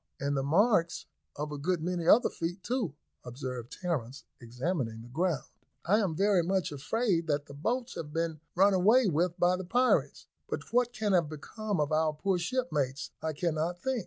"And the marks of a good many other feet too," observed Terence, examining the ground. "I am very much afraid that the boats have been run away with by the pirates; but what can have become of our poor shipmates, I cannot think."